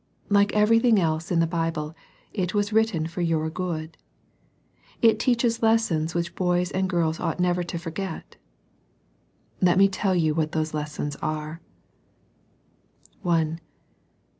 Like everything else in the Bible, it was written for your good. It teaches lessons which boys and girls ought never to forget. Let me tell you what those lessons are.